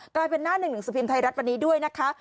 กลายเป็นหน้า๑๑สมภิมธ์ไทยรัฐวันนี้ด้วยนะคะ